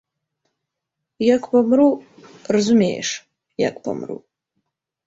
Як памру, разумееш, як памру.